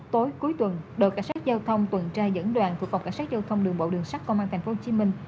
tối cuối tuần đội cảnh sát giao thông tuần tra dẫn đoàn phục vọng cảnh sát giao thông đường bộ đường sắt công an thành phố hồ chí minh